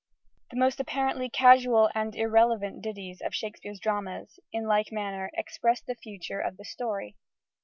The most apparently casual and irrelevant ditties of Shakespeare's dramas, in like manner, "express the future" of the story.